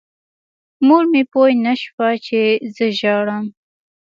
مور مې پوه نه شوه چې زه ژاړم.